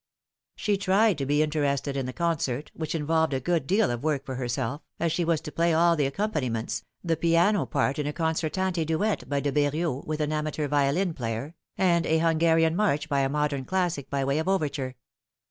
She tried to be interested in the concert, which involved a good deal of work for herself, as she was to play all the accom paniments, the piano part in a concertante duet by De Beriot with an amateur violin player, and a Hungarian march by a modern classic by way of overture.